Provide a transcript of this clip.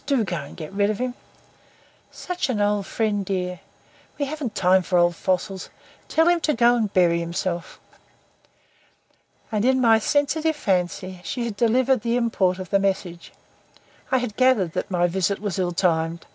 Do go and get rid of him." "Such an old friend, dear." "We haven't time for old fossils. Tell him to go and bury himself." And (in my sensitive fancy) she had delivered the import of the message. I had gathered that my visit was ill timed.